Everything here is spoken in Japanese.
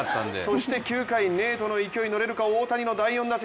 そして９回、ネイトの勢いに乗れるか、大谷の打席。